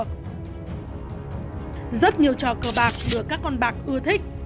rất nhiều trò cờ bạc được các con bạc ưa thích